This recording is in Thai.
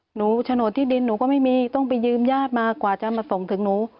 โฉนดที่ดินหนูก็ไม่มีต้องไปยืมญาติมากว่าจะมาส่งถึงหนู